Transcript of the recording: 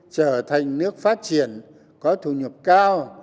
trở thành nước phát triển có thu nhập cao